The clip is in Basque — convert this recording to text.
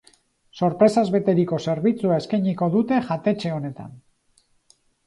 Sorpresaz beteriko zerbitzua eskainiko dute jatetxe honetan.